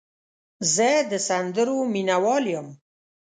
زه د سندرو مینه وال یم.